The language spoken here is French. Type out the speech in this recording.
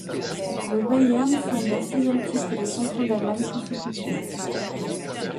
Le Bayern sort d'un sixième titre de champion d'Allemagne consécutif.